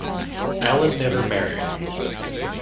Allen never married.